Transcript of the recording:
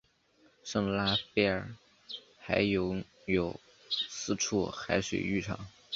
圣拉斐尔还拥有四处海水浴场。